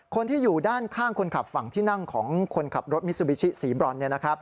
คนที่อยู่ด้านข้างคนขับฝั่งที่นั่งของคนขับรถมิซูบิชิสีบรอน